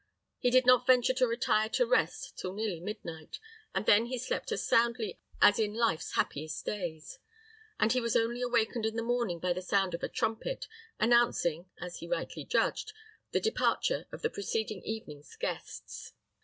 He did not venture to retire to rest till nearly midnight; but then he slept as soundly as in life's happiest days; and he was only awakened in the morning by the sound of a trumpet, announcing, as he rightly judged, the departure of the preceding evening's guests.